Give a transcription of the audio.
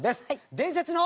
伝説の。